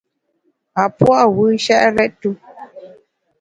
A pua’ wù nshèt rèt-tu.